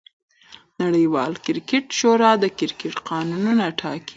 نړۍواله کرکټ شورا د کرکټ قانونونه ټاکي.